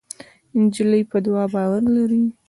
نجلۍ په دعا باور لري.